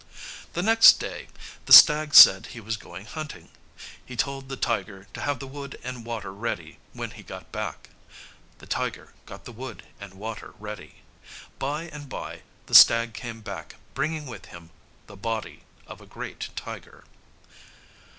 The next day the stag said that he was going hunting. He told the tiger to have the wood and water ready when he got back. The tiger got the wood and water ready. By and by the stag came back bringing with him the body of a great tiger.